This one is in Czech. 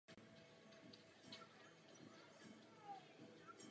Škola také poskytuje dvojjazyčné vzdělávání.